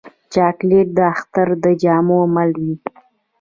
چاکلېټ د اختر د جامو مل وي.